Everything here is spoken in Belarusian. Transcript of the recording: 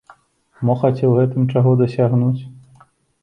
Мо хацеў гэтым чаго дасягнуць?